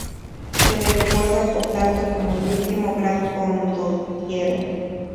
Se le recuerda por tanto, como el último gran condottiero.